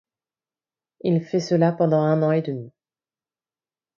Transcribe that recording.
Il fait cela pendant un an et demi.